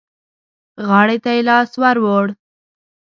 غاړې ته يې لاس ور ووړ.